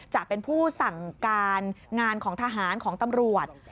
จะเป็นผู้สั่งการงานของทหารของตำรวจ